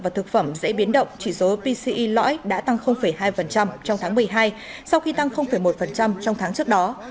và thực phẩm dễ biến động chỉ số pce lõi đã tăng hai trong tháng một mươi hai sau khi tăng một trong tháng trước đó